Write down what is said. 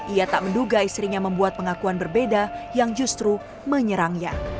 ia tak menduga istrinya membuat pengakuan berbeda yang justru menyerangnya